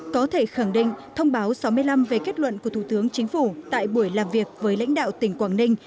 có thể khẳng định thông báo sáu mươi năm về kết luận của thủ tướng chính phủ tại buổi làm việc với lãnh đạo tỉnh quảng ninh